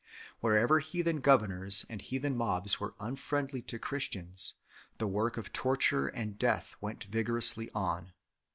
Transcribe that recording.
Wherever heathen governors and heathen mobs were unfriendly to Christians, the work of torture and death went vigorously on.